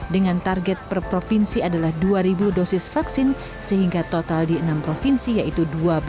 dengan target per provinsi adalah dua dosis vaksin sehingga total di enam provinsi yaitu dua belas